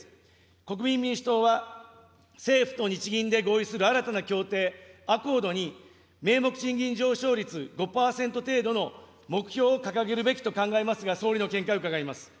国民民主党は、政府と日銀で合意する新たな協定、アコードに名目賃金上昇率５％程度の目標を掲げるべきと考えますが、総理の見解を伺います。